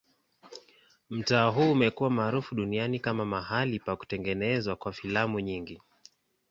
Mtaa huu umekuwa maarufu duniani kama mahali pa kutengenezwa kwa filamu nyingi.